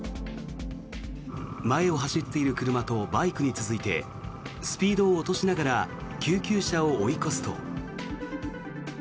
前を走っている車とバイクに続いてスピードを落としながら救急車を追い越すと。